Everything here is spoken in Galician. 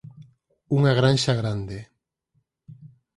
Unha granxa grande.